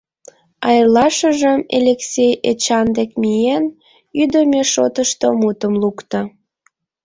А эрлашыжым, Элексей Эчан дек миен, ӱдымӧ шотышто мутым лукто.